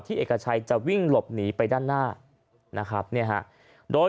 เอกชัยจะวิ่งหลบหนีไปด้านหน้านะครับเนี่ยฮะโดย